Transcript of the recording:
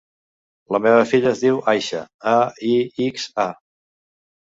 La meva filla es diu Aixa: a, i, ics, a.